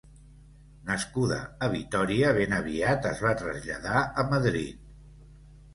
Nascuda a Vitòria, ben aviat es va traslladar a Madrid.